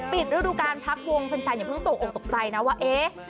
ฤดูการพักวงแฟนอย่าเพิ่งตกออกตกใจนะว่าเอ๊ะ